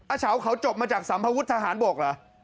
เฉาเขาจบมาจากสัมภวุฒิทหารบกเหรอ